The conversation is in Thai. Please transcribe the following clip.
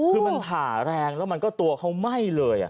คือมันผ่าแรงแล้วมันก็ตัวเขาไหม้เลย